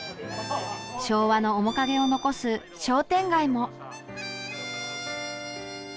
昭和の面影を残す商店街も。